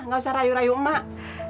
gak usah rayu rayu mak